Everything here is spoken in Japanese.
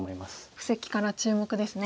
布石から注目ですね。